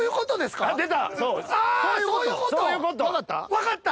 分かった？